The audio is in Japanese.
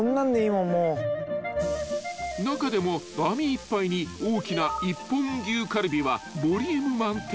［中でも網いっぱいに大きな一本牛カルビはボリューム満点］